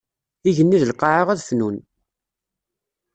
Igenni d lqaɛa ad fnun.